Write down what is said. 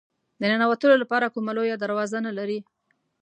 د ننوتلو لپاره کومه لویه دروازه نه لري.